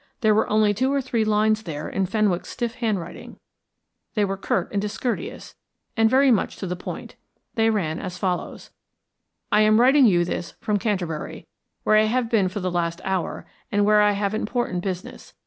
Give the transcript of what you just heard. There were only two or three lines there in Fenwick's stiff handwriting; they were curt and discourteous, and very much to the point. They ran as follows "I am writing you this from Canterbury, where I have been for the last hour, and where I have important business.